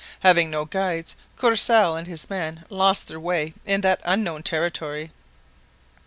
Having no guides, Courcelle and his men lost their way in that unknown country.